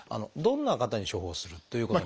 どんな方に処方するという？